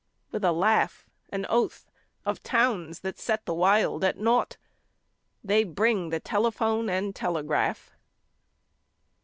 With a laugh, An oath of towns that set the wild at naught They bring the telephone and telegraph.